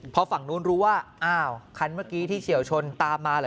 พอฝั่งนู้นรู้ว่าอ้าวคันเมื่อกี้ที่เฉียวชนตามมาเหรอ